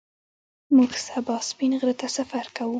موږ سبا سپین غره ته سفر کوو